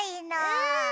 うん！